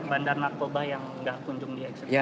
bandar narkoba yang tidak kunjung di eksekusi